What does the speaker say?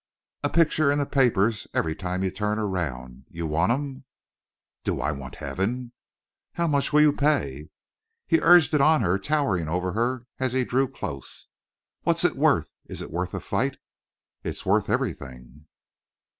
A picture in the papers every time you turn around? You want 'em?" "Do I want heaven?" "How much will you pay?" He urged it on her, towering over her as he drew close. "What's it worth? Is it worth a fight?" "It's worth everything."